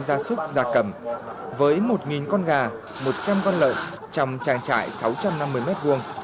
giá súc giá cẩm với một nghìn con gà một trăm con lợn trong trang trại sáu trăm năm mười mét vuông